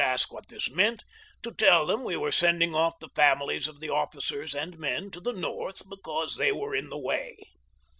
ask what this meant, to tell them we were sending off the families of the officers and men to the North because they were in the way.